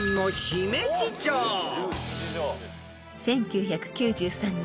［１９９３年